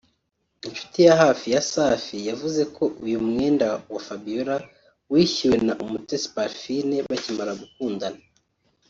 Inshuti ya hafi ya Safi yavuze ko “uyu mwenda wa Fabiola wishyuwe na Umutesi Parfine bakimara gukundana”